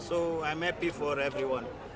saya senang untuk semua orang